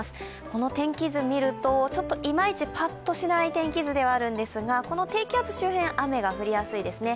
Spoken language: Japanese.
この天気図を見るとちょっといまいちパッとしない天気図ではあるんですが、この低気圧周辺雨が降りやすいですね。